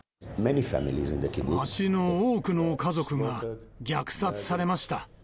町の多くの家族が虐殺されました。